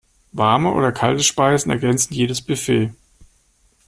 Warme oder kalte Speisen ergänzen jedes Buffet.